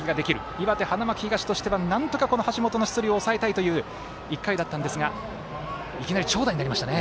岩手、花巻東としてはなんとかして橋本の出塁を抑えたいという１回だったんですがいきなり長打になりましたね。